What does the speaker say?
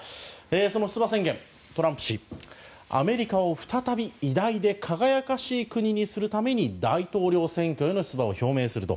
その出馬宣言、トランプ氏アメリカを再び偉大で輝かしい国にするために大統領選挙への出馬を表明する。